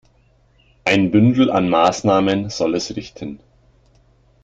Ein Bündel an Maßnahmen soll es richten.